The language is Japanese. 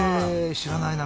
知らないな。